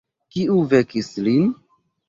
Kiu vekis lin?